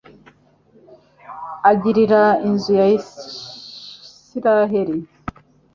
agirira inzu ya Israheli